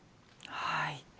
はい。